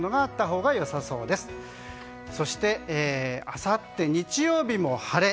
あさって日曜日も晴れ。